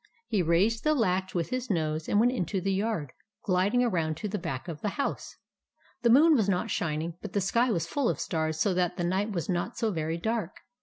He raised the latch TRICKS OF THE BAD WOLF 137 with his nose, and went into the yard, glid ing around to the back of the house. The moon was not shining ; but the sky was full of stars so that the night was not so very dark.